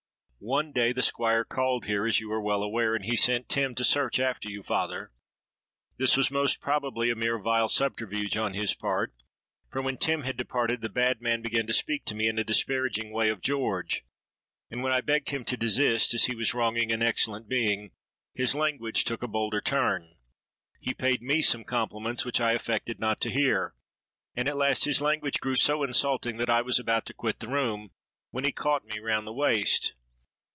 One day the Squire called here, as you are well aware; and he sent Tim to search after you, father. This was most probably a mere vile subterfuge on his part; for when Tim had departed, the bad man began to speak to me in a disparaging way of George; and when I begged him to desist, as he was wronging an excellent being, his language took a bolder turn. He paid me some compliments, which I affected not to hear; and at last his language grew so insulting, that I was about to quit the room, when he caught me round the waist.